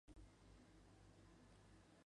Caminos, Canales y Puertos de Santander.